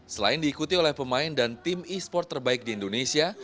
selain diikuti oleh pemain dan tim e sports terbaik di indonesia